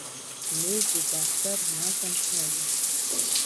مېز د دفتر نظم ښیي.